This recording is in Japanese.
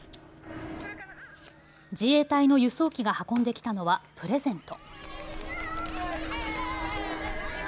自衛隊の輸送機が運んできたのはプレゼント。